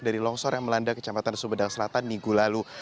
dari longsor yang melanda kecamatan sumedang selatan minggu lalu